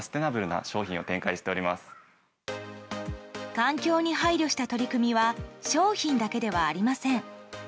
環境に配慮した取り組みは商品だけではありません。